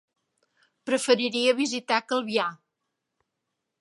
Preferiria visitar Calvià.